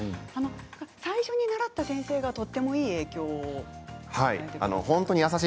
最初に習った先生がとてもいい影響を与えてくださったと。